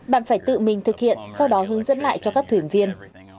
bạn phải tự mình thực hiện sau đó hướng dẫn lại cho các thuyền viên